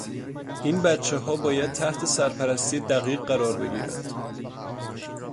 این بچهها باید تحت سرپرستی دقیق قرار بگیرند.